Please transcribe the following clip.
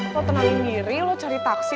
lo tenangin diri lo cari taksi